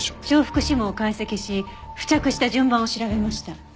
重複指紋を解析し付着した順番を調べました。